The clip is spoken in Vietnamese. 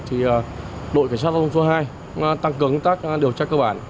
thì đội kiểm soát phương phương hai tăng cường các điều tra cơ bản